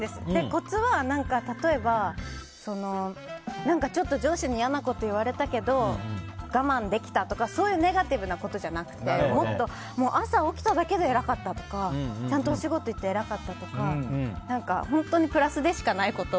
コツは、例えばちょっと上司に嫌なこと言われたけど我慢できたとかそういうネガティブなことじゃなくてもっと、朝起きただけで偉かったとかちゃんとお仕事行って偉かったとか本当にプラスでしかないこと。